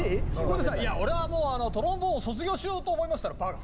「俺はもうトロンボーンを卒業しようと思います」って言ったら「バカ。